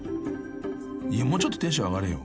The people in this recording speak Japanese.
［いやもうちょっとテンション上がれよ］